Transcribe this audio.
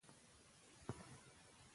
نوې ماده ته یې «پولونیم» نوم ورکړ.